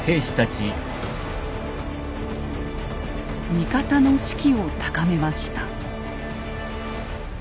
味方の士気を高めました。